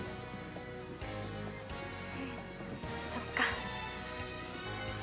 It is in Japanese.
そっか。